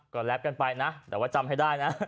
ก็แฟปกันไปนะแต่ว่าจำให้ได้นะ